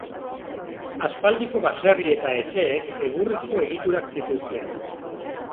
Aspaldiko baserri eta etxeek egurrezko egiturak zituzten.